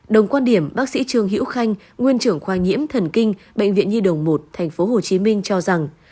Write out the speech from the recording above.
đồng quan điểm bác sĩ trương hữu khanh nguyên trưởng khoa nhiễm thần kinh bệnh viện nhi đồng một tp hcm cho rằng